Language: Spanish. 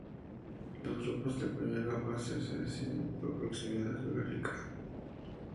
Los grupos de la primera fase se deciden por proximidad geográfica.